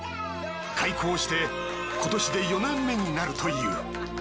開校して今年で４年目になるという。